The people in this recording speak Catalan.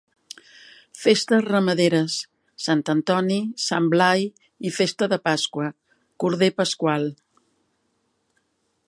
Festes ramaderes: Sant Antoni, Sant Blai i festa de Pasqua, Corder Pasqual.